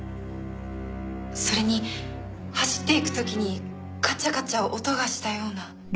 それに走っていく時にカチャカチャ音がしたような。